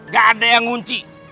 gak ada yang ngunci